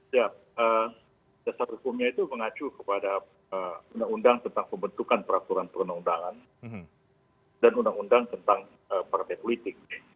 ya dasar hukumnya itu mengacu kepada undang undang tentang pembentukan peraturan perundang undangan dan undang undang tentang partai politik